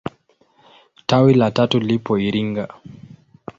Tawi la tatu lipo Iringa.